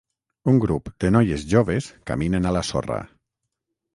Un grup de noies joves caminen a la sorra.